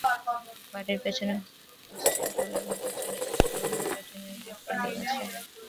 বাড়ির পেছনেই হোস্টেল ঘরের মতো চার-পাঁচটা রুমের একটা টিনের হাফ-বিল্ডিং আছে।